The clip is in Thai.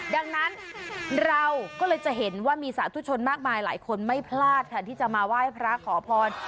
ดังนั้นเราก็เลยจะเห็นว่ามีสาธุชนมากมายหลายคนไม่พลาดค่ะที่จะมาไหว้พระขอพร